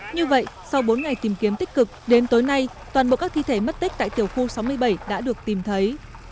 như vậy sau bốn ngày tìm kiếm tích cực đến tối nay toàn bộ các thi thể mất tích tại tiểu khu sáu mươi bảy đã được tìm thấy